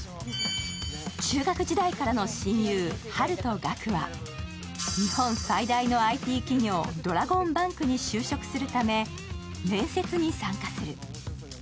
中学時代からの親友、ハルとガクは日本最大のＩＴ企業、ドラゴンバンクに就職するため面接に参加する。